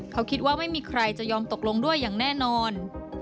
เขาคิดว่าไม่มีใครจะยอมตกลงด้วยอย่างแน่นอน